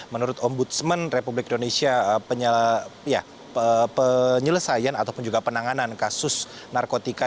menurut ombudsman republik indonesia penyelesaian ataupun juga penanganan kasus narkotika